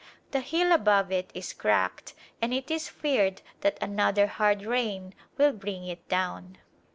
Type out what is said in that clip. The hill above it is cracked and it is feared that another hard rain will bring it down.